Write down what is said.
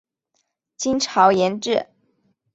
金朝沿置。